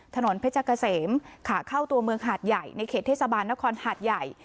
ถนนเพชรเกษมขาเข้าตัวเมืองหาดใหญ่ในเขตเทศบาลนครหาดใหญ่